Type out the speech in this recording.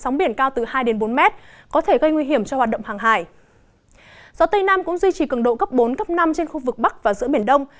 gió tây nam cũng duy trì cường độ cấp bốn năm trên khu vực bắc và giữa biển đông